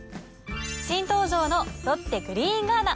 新登場のロッテグリーンガーナ。